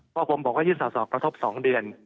เพราะผมบอกว่ายื่นส่อกระทบ๒เดือน